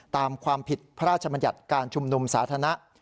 ตามความผิดพระราชมนรัฐการชุมนุมศาสนนะ